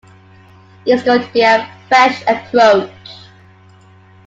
It's going to be a fresh approach.